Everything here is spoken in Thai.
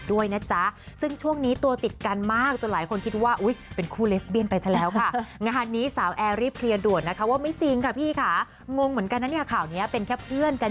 คือตอนนี้ก็มีคนที่คุยศึกษาอะไรอย่างนี้ก็บอก